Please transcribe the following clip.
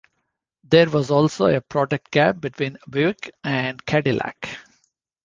There was also a product gap between Buick and Cadillac.